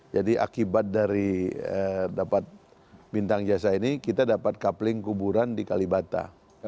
jadi akibat dari dapat bintang jasa ini kita dapat kabling kuburan di kalibata